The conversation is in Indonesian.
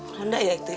ronda ya itu ya